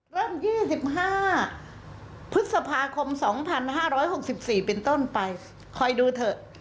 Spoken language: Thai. เริ่ม๒๕พฤษภาคม๒๕๖๔เป็นต้นไปคอยดูเถอะ